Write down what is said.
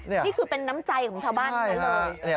นี่คือเป็นน้ำใจของชาวบ้านทั้งนั้นเลย